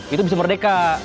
itu bisa merdeka